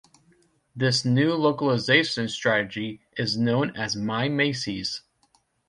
This new localization strategy is known as My Macy's.